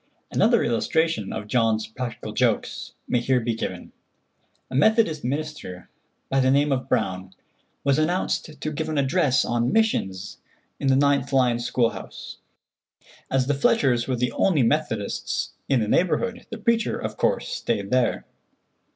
Another illustration of John's practical jokes may here be given. A Methodist minister, by the name of Brown, was announced to give an address on "Missions" in the 9th line school house. As the Fletchers were the only Methodists in the neighborhood, the preacher, of course, stayed there.